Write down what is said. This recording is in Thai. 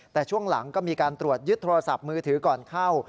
แต่ช่วงหลังก็มีการตรวจยึดโทรศัพท์มือถือก่อนเข้า